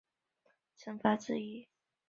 石刑也是卡塔尔的法律惩罚之一。